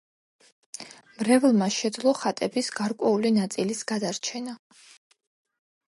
მრევლმა შეძლო ხატების გარკვეული ნაწილის გადარჩენა.